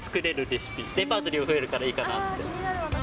レパートリーも増えるからいいかなって。